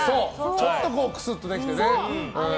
ちょっとクスッとできてね。